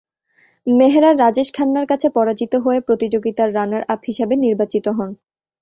মেহরা রাজেশ খান্নার কাছে পরাজিত হয়ে প্রতিযোগিতার রানার আপ হিসেবে নির্বাচিত হন।